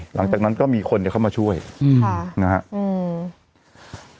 หลังจากนั้นก็มีคนจะเข้ามาช่วยอืมค่ะนะฮะอืม